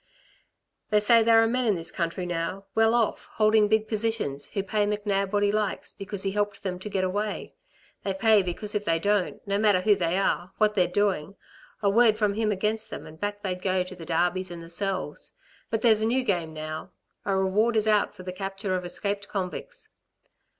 "They say there are men in this country now well off, holding big positions who pay McNab what he likes because he helped them to get away. They pay because if they don't no matter who they are, what they're doing a word from him against them, and back they'd go to the darbies and the cells. But there's a new game now. A reward is out for the capture of escaped convicts."